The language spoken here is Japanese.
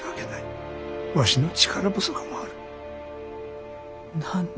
ワシの力不足もある。